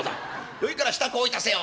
よいから支度をいたせよ」。